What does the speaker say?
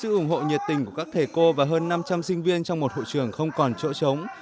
sự ủng hộ nhiệt tình của các thầy cô và hơn năm trăm linh sinh viên trong một hội trường không còn chỗ trống